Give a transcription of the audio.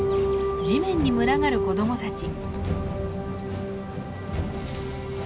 地面に群がる子どもたち。